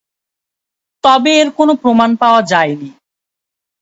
তবে এর কোনো প্রমাণ পাওয়া যায়নি।